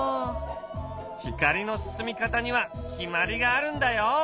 光の進み方には決まりがあるんだよ。